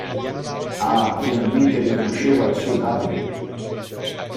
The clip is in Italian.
Ah, finalmente riconosceva il suo Davide!